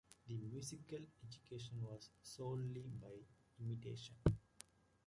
The musical education was solely by imitation.